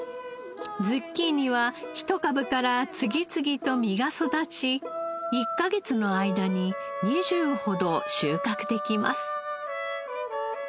ズッキーニは一株から次々と実が育ち１カ月の間に２０ほど収穫できます。